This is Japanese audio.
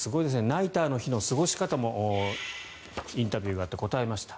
ナイターの日の過ごし方もインタビューがあって答えました。